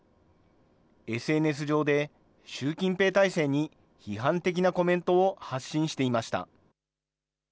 ＳＮＳ上で習近平体制に批判的なコメントを発信していました。